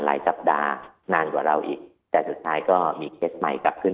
สัปดาห์นานกว่าเราอีกแต่สุดท้ายก็มีเคสใหม่กลับขึ้น